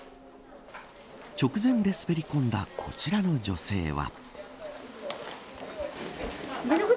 直前で滑り込んだこちらの女性は。